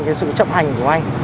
cái sự chấp hành của anh